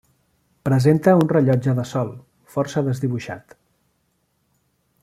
Presenta un rellotge de sol, força desdibuixat.